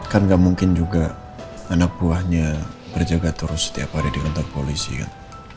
kan gak mungkin juga anak buahnya berjaga terus setiap hari di kantor polisi kan